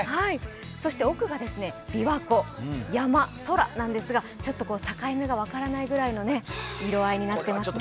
奥が琵琶湖、山、空なんですが、境目が分からないぐらいの色合いになってますね。